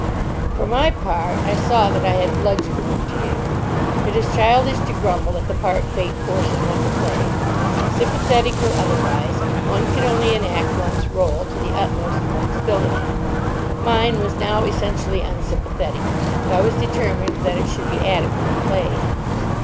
For my part, I saw that I had bludgeon work to do. It is childish to grumble at the part Fate forces one to play. Sympathetic or otherwise, one can only enact one's rôle to the utmost of one's ability. Mine was now essentially unsympathetic, but I was determined that it should be adequately played.